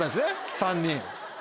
３人。